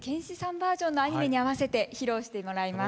バージョンのアニメに合わせて披露してもらいます。